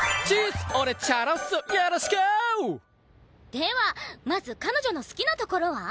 ではまず彼女の好きなところは？